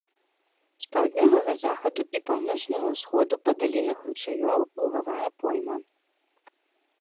З паўднёвага захаду і паўночнага ўсходу па далінах ручаёў лугавая пойма.